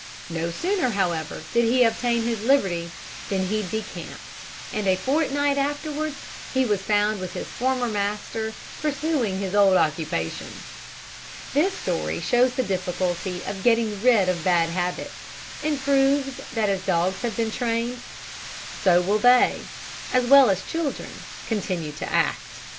No sooner, however, did he obtain his liberty, than he decamped; and a fortnight afterwards he was found with his former master, pursuing his old occupation. This story shows the difficulty of getting rid of bad habits, and proves that as dogs have been trained, so will they as well as children continue to act.